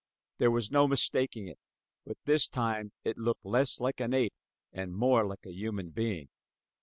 There was no mistaking it; but this time it looked less like an ape and more like a human being.